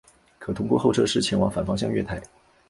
可通过候车室前往反方向月台。